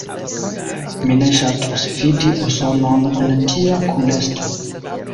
Mi ne ŝatus vidi Usonon en tia kunesto.